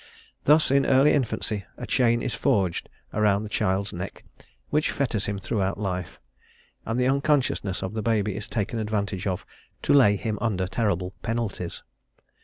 Thus in early infancy a chain is forged round the child's neck which fetters him throughout life, and the unconsciousness of the baby is taken advantage of to lay him under terrible penalties.